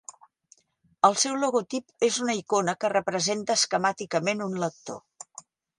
El seu logotip és una icona que representa esquemàticament un lector.